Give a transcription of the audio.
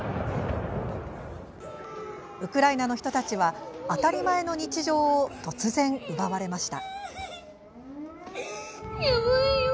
ウクライナの人たちは当たり前の日常を突然、奪われました。